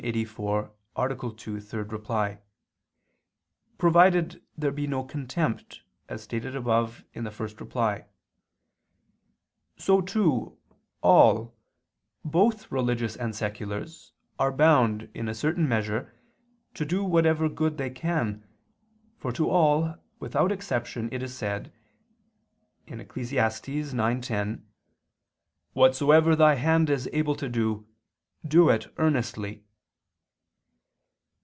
2, ad 3), provided there be no contempt, as stated above (ad 1), so too, all, both religious and seculars, are bound, in a certain measure, to do whatever good they can, for to all without exception it is said (Eccles. 9:10): "Whatsoever thy hand is able to do, do it earnestly."